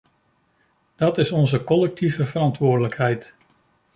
Dat is onze collectieve verantwoordelijkheid.